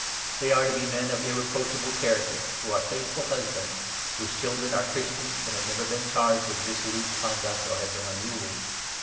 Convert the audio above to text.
They 6 are to be men of irreproachable character, who are faithful husbands, whose children are Christians and have never been charged with dissolute conduct or have been unruly.